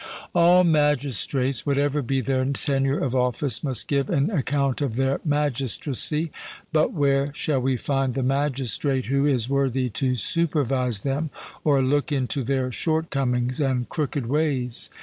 All magistrates, whatever be their tenure of office, must give an account of their magistracy. But where shall we find the magistrate who is worthy to supervise them or look into their short comings and crooked ways?